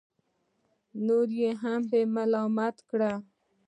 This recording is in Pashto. نور یې هم برمته کړه.